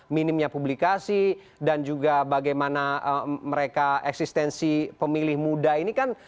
minimnya publikasi dan juga bagaimana mereka eksistensi pemilih muda ini kan